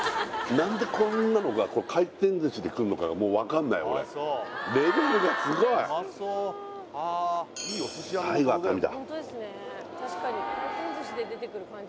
何でこんなのが回転寿司でくるのかがもうわかんない俺レベルがすごい最後赤身だ